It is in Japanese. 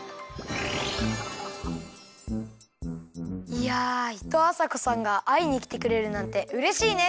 いやいとうあさこさんがあいにきてくれるなんてうれしいね！